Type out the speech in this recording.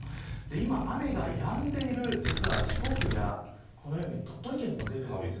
今、雨がやんでいる、実は四国やこのように鳥取県にも出ているんです。